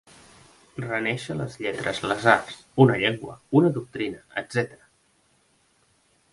Renéixer les lletres, les arts, una llengua, una doctrina, etc.